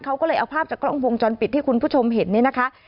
เขาก็เลยเอาภาพจากกล้องวงจรปิดที่คุณผู้ชมเห็นเนี่ยนะคะ